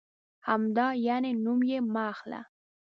همدا یعنې؟ نوم یې مه اخله.